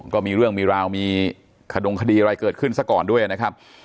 ก็มีเรื่องมีราวมีขดงคดีอะไรเกิดขึ้นซะก่อนด้วยนะครับ